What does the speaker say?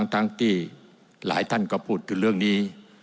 ทั้งที่หลายท่านก็พูดถึงเรื่องนี้